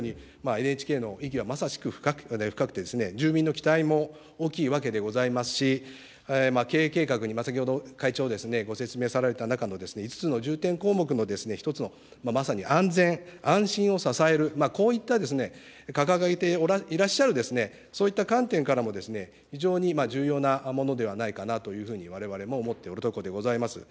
先ほどご答弁されたように、ＮＨＫの意義はまさしく深くて、住民の期待も大きいわけでございますし、経営計画に、先ほど会長ご説明された中の５つの重点項目の１つのまさに安全・安心を支える、こういった掲げていらっしゃる、そういった観点からも、非常に重要なものではないかなというふうにわれわれも思っておるところでございます。